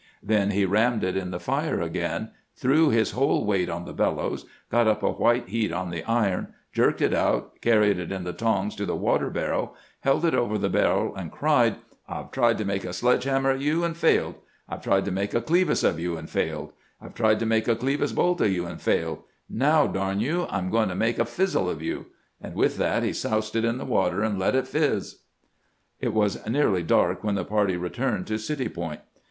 Then he rammed it in the fire again, threw his whole weight on the bellows, got up a white heat on the iron, jerked it out, carried it in the tongs to the water barrel, held it over the barrel, and cried :' I 've tried to make a sledge hammer of you, and failed ; I 've tried to make a clevis of you, and failed ; I 've tried to make a clevis bolt of you, and failed; now, darn you, I 'm going to make a fizzle of you '; and with that he soused it in the water and let it fizz." It was nearly dark when the party returned to City Point.